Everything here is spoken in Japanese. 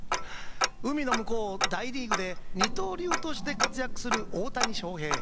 海の向こう、大リーグで二刀流として活躍する大谷翔平。